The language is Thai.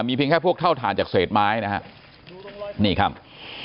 เพียงแค่พวกเท่าฐานจากเศษไม้นะฮะนี่ครับ